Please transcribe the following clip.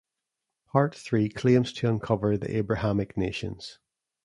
Part three claims to uncover the Abrahamic Nations.